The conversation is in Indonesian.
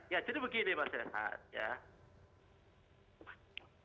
jadi begini mas rehat